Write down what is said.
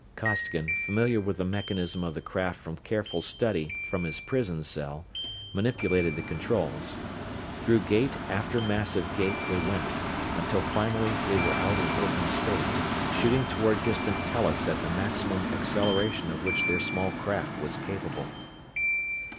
Costigan, familiar with the mechanism of the craft from careful study from his prison cell, manipulated the controls. Through gate after massive gate they went, until finally they were out in open space, shooting toward distant Tellus at the maximum acceleration of which their small craft was capable.